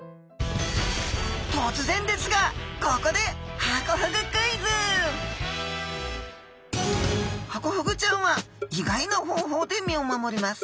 とつぜんですがここでハコフグちゃんは意外な方法で身を守ります。